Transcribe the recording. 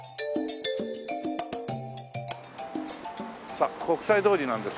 さあ国際通りなんですけどね